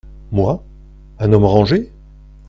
Moi ; un homme rangé !…